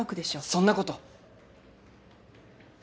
そんなこと。